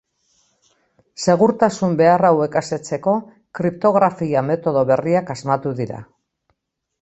Segurtasun behar hauek asetzeko kriptografia metodo berriak asmatu dira.